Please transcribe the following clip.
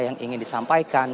yang ingin disampaikan